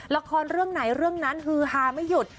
ละครเรื่องไหนเรื่องนั้นฮือฮาไม่หยุด